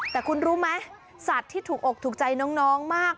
แต่คุณรู้ไหมสัตว์ที่ถูกอกถูกใจน้องมาก